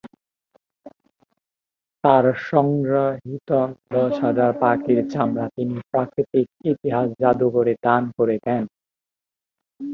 তার সংগৃহীত দশ হাজার পাখির চামড়া তিনি প্রাকৃতিক ইতিহাস জাদুঘরে দান করে দেন।